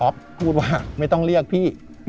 พูดว่าไม่ต้องเรียกพี่